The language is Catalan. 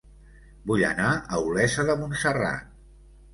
Vull anar a Olesa de Montserrat